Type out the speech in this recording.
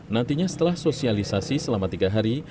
nantinya setelah sosialisasi selama tiga hari